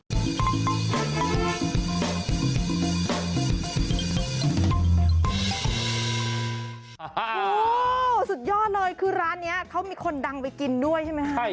โอ้โหสุดยอดเลยคือร้านนี้เขามีคนดังไปกินด้วยใช่ไหมครับ